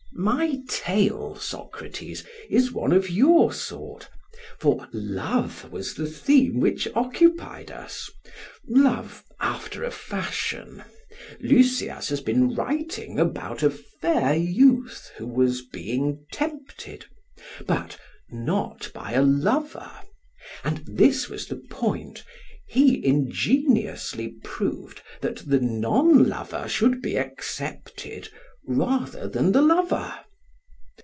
PHAEDRUS: My tale, Socrates, is one of your sort, for love was the theme which occupied us love after a fashion: Lysias has been writing about a fair youth who was being tempted, but not by a lover; and this was the point: he ingeniously proved that the non lover should be accepted rather than the lover.